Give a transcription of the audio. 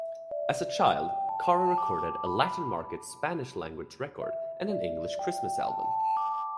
As a child, Cara recorded a Latin-market Spanish-language record and an English Christmas album.